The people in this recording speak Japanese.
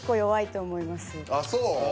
あっそう？